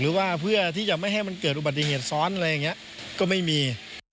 เพื่อที่จะไม่ให้มันเกิดอุบัติเหตุซ้อนอะไรอย่างนี้ก็ไม่มี